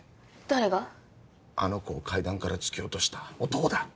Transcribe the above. あの子を階段から突き落とした男だ。